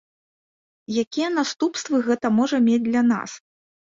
Якія наступствы гэта можа мець для нас?